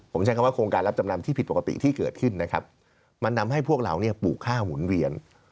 ผมใช้คำว่าโครงการรับจำนำที่ผิดปกติที่เกิดขึ้นนะครับมันนำให้พวกเราเนี่ยปลูกค่าหมุนเวียน